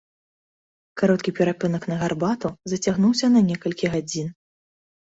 Кароткі перапынак на гарбату зацягнуўся на некалькі гадзін.